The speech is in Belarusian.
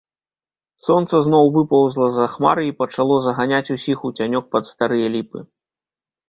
Сонца зноў выпаўзла з-за хмары і пачало заганяць усіх у цянёк пад старыя ліпы.